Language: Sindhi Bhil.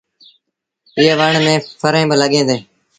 ايئي وڻ ميݩ ڦريٚݩ با لڳيٚن ديٚݩ۔